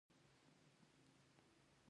د لغمان لیمو د اوبو لپاره مشهور دي.